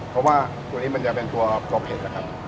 เพราะว่าตัวนี้มันจะเป็นตัวเผ็ดนะครับ